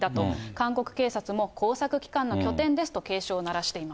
韓国警察も工作機関の拠点ですと警鐘を鳴らしています。